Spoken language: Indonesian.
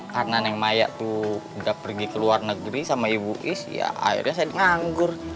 karena neng maya tuh udah pergi ke luar negeri sama ibu is ya akhirnya saya dianggur